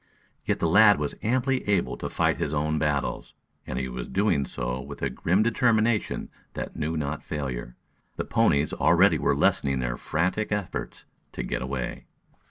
Yet the lad was amply able to fight his own battles, and he was doing so with a grim determination that knew not failure. The ponies already were lessening their frantic efforts to get away.